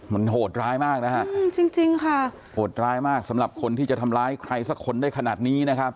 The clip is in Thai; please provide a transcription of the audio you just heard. มันโหดร้ายมากนะฮะจริงจริงค่ะโหดร้ายมากสำหรับคนที่จะทำร้ายใครสักคนได้ขนาดนี้นะครับ